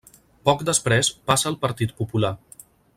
Poc després passa al Partit Popular.